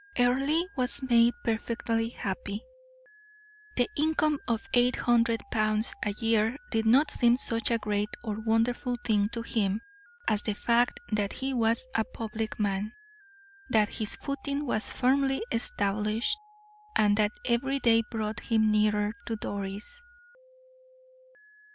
Earle was made perfectly happy. The income of eight hundred pounds a year did not seem such a great or wonderful thing to him as the fact that he was a public man, that his footing was firmly established, and that every day brought him nearer to Doris.